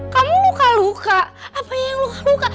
kamu luka luka apa yang luka luka